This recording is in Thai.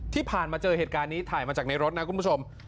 ที่ผ่านมาเจอเหตุการณ์นี้ถ่ายมาจากในรถนะคุณผู้ชม